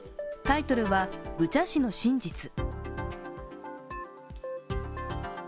タイトルは「ブチャ市の真実」。